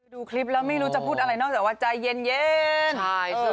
ดูคลิปแล้วไม่รู้จะพูดอะไรนอกจากว่าใจเย็น